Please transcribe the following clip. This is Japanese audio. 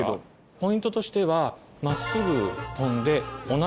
ポイントとしては。